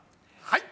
はい。